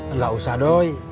enggak usah doi